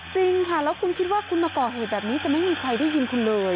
จริงค่ะแล้วคุณคิดว่าคุณมาก่อเหตุแบบนี้จะไม่มีใครได้ยินคุณเลย